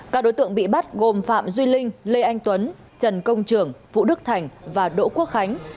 các đối tượng bị bắt gồm phạm duy linh lê anh tuấn trần công trường vũ đức thành và đỗ quốc khánh